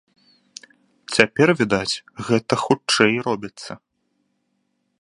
Цяпер, відаць, гэта хутчэй робіцца.